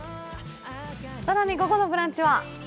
更に午後の「ブランチ」は？